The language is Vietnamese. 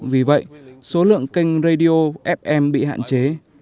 vì vậy số lượng kênh radio fm bị hạn chế